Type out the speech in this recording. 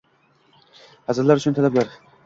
Hazillar uchun talablar